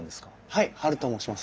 はいハルと申します。